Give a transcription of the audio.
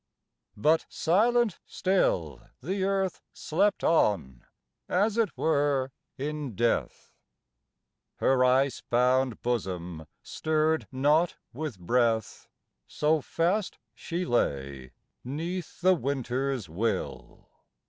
But silent still The Earth slept on, as it were in death. Her ice bound bosom stirred not with breath, So fast she lay 'neath the winter's will.